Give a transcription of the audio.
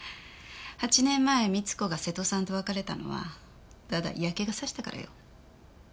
８年前美津子が瀬戸さんと別れたのはただ嫌気がさしたからよ。